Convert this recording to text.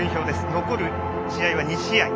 残る試合は２試合。